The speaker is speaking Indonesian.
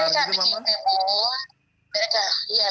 mereka bikin kebu